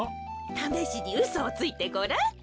ためしにうそをついてごらん。